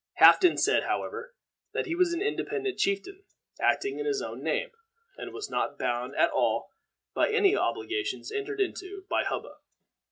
Halfden said, however, that he was an independent chieftain, acting in his own name, and was not bound at all by any obligations entered into by Hubba!